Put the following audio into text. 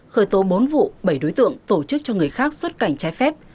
khởi tố bốn vụ bảy đối tượng tổ chức cho người khác xuất cảnh trái phép